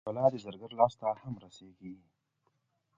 پیاله د زرګر لاس ته هم رسېږي.